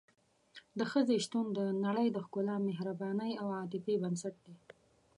د ښځې شتون د نړۍ د ښکلا، مهربانۍ او عاطفې بنسټ دی.